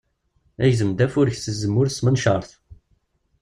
Igzem-d afurek seg tzemmurt s tmenčart.